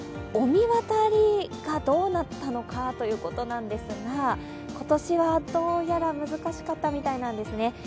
御神渡りがどうなったのかということなんですが、今年はどうやら難しかったみたいなんですね。